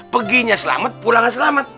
peginya selamat pulangnya selamat